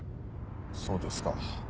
そうですか。